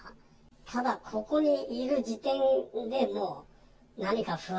ただここにいる時点でもう、何か不安。